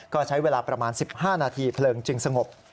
ก็ใช้เวลาประมาณ๑๕นาทีเพลิงจึงสงบ